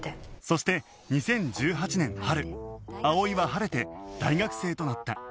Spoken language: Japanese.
そして２０１８年春葵は晴れて大学生となった